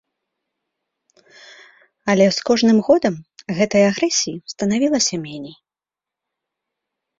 Але з кожным годам гэтай агрэсіі станавілася меней.